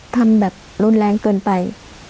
ทำแบบรุนแรงเกินไป